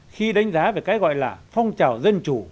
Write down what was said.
khi đánh giá về cái gọi là phong trào dân chủ